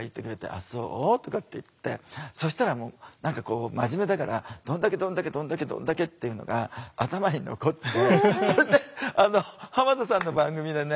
「あっそう？」とかって言ってそしたらもう何かこう真面目だから「どんだけどんだけどんだけどんだけ」っていうのが頭に残ってそれで浜田さんの番組でね